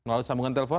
lalu sambungan telepon